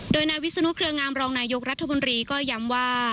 โดยนาวิสุนุกรงามรองนายกรัฐบนรีก็ย้ำว่า